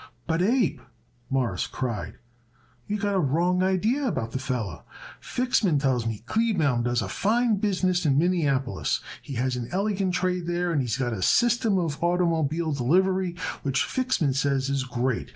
"But, Abe," Morris cried, "you got a wrong idee about that feller. Fixman tells me Kleebaum does a fine business in Minneapolis. He has an elegant trade there and he's got a system of oitermobile delivery which Fixman says is great.